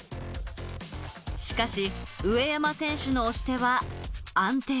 しかし、上山選手の押し手は安定。